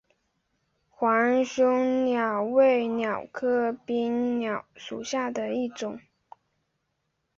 黄胸鹬为鹬科滨鹬属下的一个种。